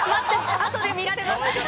あとで見られますから。